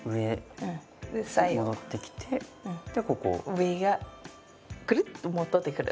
上がくるっと戻ってくる。